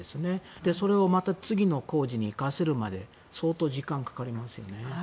それをまた次の工事に生かせるまで相当時間がかかりますよね。